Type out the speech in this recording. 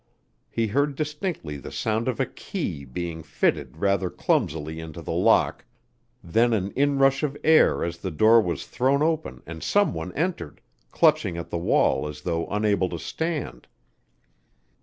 He heard distinctly the sound of a key being fitted rather clumsily into the lock, then an inrush of air as the door was thrown open and someone entered, clutching at the wall as though unable to stand.